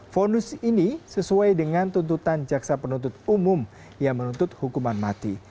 fonis ini sesuai dengan tuntutan jaksa penuntut umum yang menuntut hukuman mati